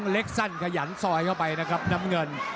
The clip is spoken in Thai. เล็กสั้นขยันซอยเข้าไปนะครับน้ำเงิน